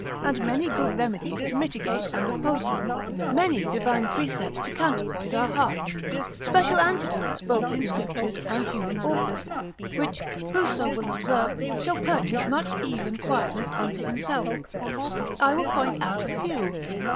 and many good remedies to mitigate and oppose them, many divine precepts to counterpoise our hearts, special antidotes both in Scriptures and human authors, which, whoso will observe, shall purchase much ease and quietness unto himself: I will point out a few.